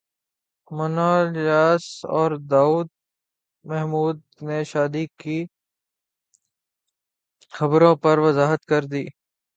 منہ الیاس اور داور محمود نے شادی کی خبروں پر وضاحت کردی